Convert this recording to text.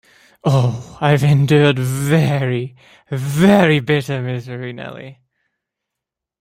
Oh, I’ve endured very, very bitter misery, Nelly!